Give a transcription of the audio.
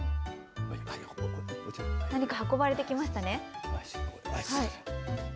何か運ばれてきましたね。